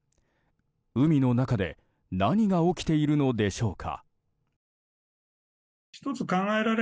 海の中で何が起きているのでしょうか。